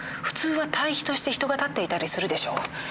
普通は対比として人が立っていたりするでしょう？